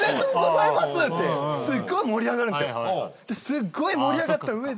すっごい盛り上がったうえで。